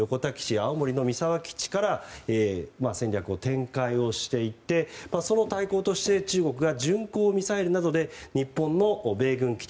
青森の三沢基地から戦略を展開していってその対抗として中国が巡航ミサイルなどで日本の米軍基地